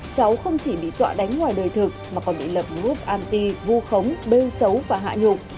cháu không chỉ bị dọa đánh ngoài đời thực mà còn bị lập núp anti vu khống bêu xấu và hạ nhục